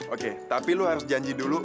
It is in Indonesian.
oke tapi lu harus janji dulu